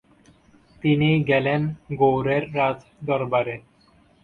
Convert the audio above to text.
তিনি গেলেন গৌড়ের রাজ দরবারে।